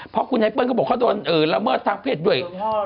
เพราะคุณไอเปิ้ลเขาบอกเขาโดนละเมิดทางเพศด้วย